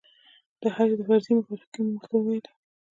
د حج د فرضې مبارکي مو ورته وویله.